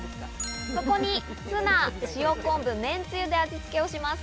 そこにツナ、塩昆布、麺つゆで味つけをします。